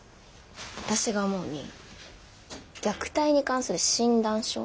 私が思うに虐待に関する診断書のようなもの。